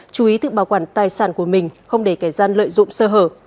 chú ý tự bảo quản tài sản của mình không để kẻ gian lợi dụng sơ hở